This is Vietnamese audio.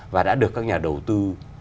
và đã được các nhà đầu tư